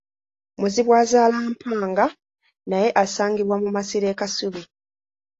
Muzibwazaalampanga naye asangibwa mu masiro e Kasubi.